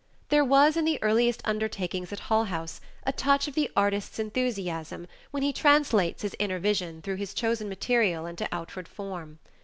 There was in the earliest undertakings at Hull House a touch of the artist's enthusiasm when he translates his inner vision through his chosen material into outward form.